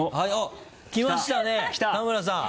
きましたね田村さん。